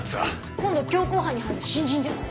今度強行犯に入る新人ですって。